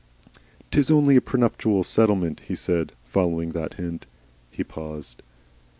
"'Tis only a pre nuptial settlement," he said, following that hint. He paused.